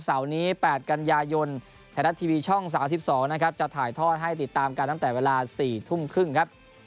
เสาร์นี้๘กันยายนไทยรัฐทีวีช่อง๓๒นะครับจะถ่ายทอดให้ติดตามกันตั้งแต่เวลา๔ทุ่มครึ่งครับ